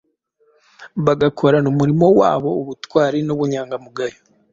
bagakorana umurimo wabo ubutwari n’ubunyangamugayo